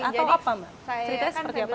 atau apa mbak saya akan saya beri